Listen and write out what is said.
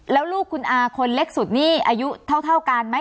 แล้วลูกคุณอาคนเล็กสุดนี่อายุเท่ากันไหม